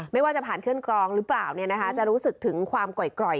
ไม่ว่าจะผ่านเครื่องกรองหรือเปล่าจะรู้สึกถึงความกร่อย